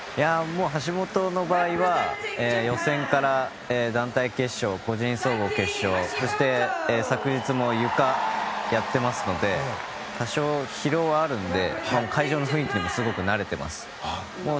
橋本の場合は予選から団体決勝、個人総合決勝そして昨日もゆか、やってますので多少、疲労はあるのでただ、会場の雰囲気にはすごく慣れています。